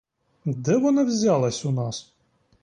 Де вона взялась у нас?